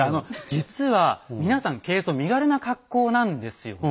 実は皆さん軽装身軽な格好なんですよね。